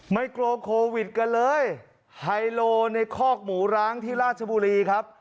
ไม่กลัวโควิดกันเลยไฮโลในคอกหมูร้างที่ราชบุรีครับ